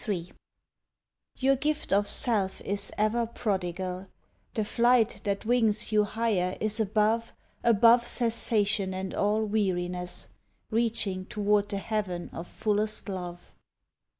XXIII Your gift of self is ever prodigal; The flight that wings you higher is above, Above cessation and all weariness, Reaching toward the heaven of fullest love.